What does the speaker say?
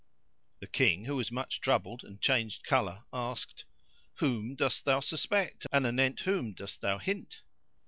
The King, who was much troubled and changed colour, asked, "Whom dost thou suspect and anent whom doest thou hint?"